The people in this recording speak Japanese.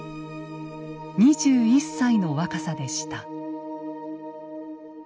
２１歳の若さでした。